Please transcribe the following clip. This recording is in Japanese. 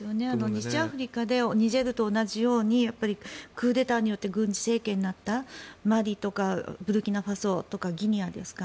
西アフリカでニジェールと同じようにクーデターによって軍事政権になったマリとかブルキナファソとかギニアですか。